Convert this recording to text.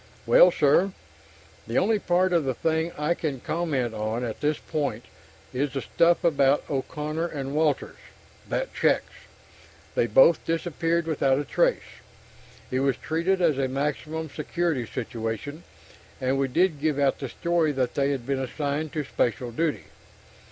"Well, sir ... the only part of the thing I can comment on at this point is the stuff about O'Connor and Walters. That checks. They both disappeared without a trace. It was treated as a maximum security situation, and we did give out the story they had been assigned to special duty."